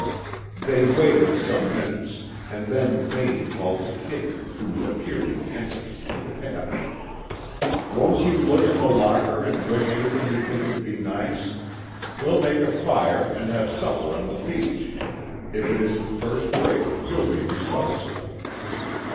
They waited some minutes, and then Vane called to Kitty, who appeared in the entrance to the cabin, "Won't you look in the locker, and bring anything you think would be nice? We'll make a fire and have supper on the beach; if it isn't first rate, you'll be responsible."